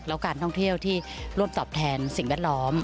แล้วการท่องเที่ยวที่ร่วมตอบแทนสิ่งแวดล้อม